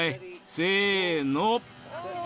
せの。